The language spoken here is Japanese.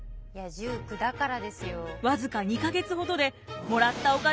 １９だからですよ。